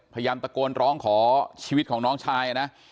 พยายามตะโกนร้องขอชีวิตของน้องชายนะ